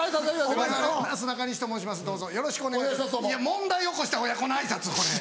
問題起こした親子の挨拶これ。